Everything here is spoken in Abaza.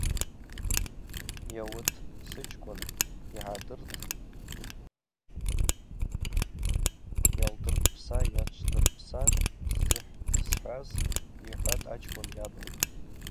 Йауытӏ, сычкӏвын, йгӏардыртӏ йалдыррпса-йашӏдыррпса – ззысхӏваз, – йхӏватӏ ачкӏвын йаба.